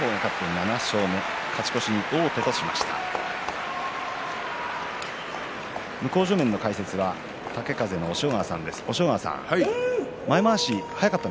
７勝目勝ち越し王手としました。